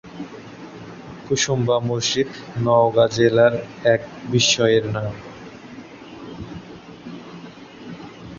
রহস্যের সমাধান করে।